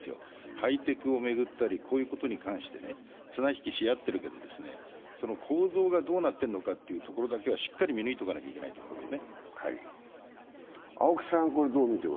ハイテクを巡ったりこういうことに関して綱引きしあってるけれども、構造がどうなっているかというのをしっかり見抜いておかないといけないと思いますね。